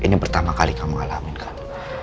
ini pertama kali kamu alamin kan